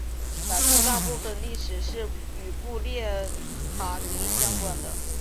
南特大部分历史是与布列塔尼相关的。